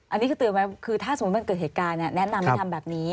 อันนี้คือเตือนไว้คือถ้าสมมุติมันเกิดเหตุการณ์แนะนำให้ทำแบบนี้